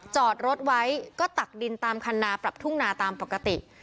จอดรถไว้ก็ตักดินตามคันนาปรับทุ่งนาตามปกติ